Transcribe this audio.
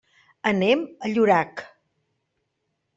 Anem a Llorac.